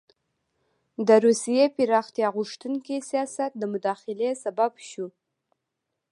د روسیې پراختیا غوښتونکي سیاست د مداخلې سبب شو.